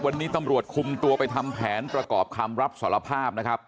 วันนี้ตำรวจคุมตัวไปทำแผนประกอบคำรับสารภาพนะครับ